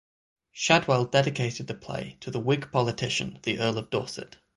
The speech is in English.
Shadwell dedicated the play to the Whig politician the Earl of Dorset.